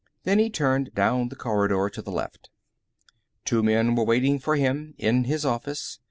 Then he turned down the corridor to the left. Two men were waiting for him, in his office.